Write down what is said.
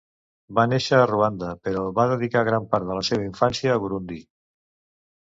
Va néixer a Ruanda, però va dedicar gran part de la seva infància a Burundi.